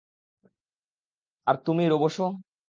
আর তুমি, রোবোশো?